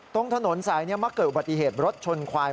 ตรงถนนสายนี้มาเกิดอุบัติเหตุรถชนควาย